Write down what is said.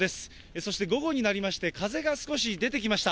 そして午後になりまして、風が少し出てきました。